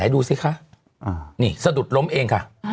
ดูสิคะนี่สะดุดล้มเองค่ะ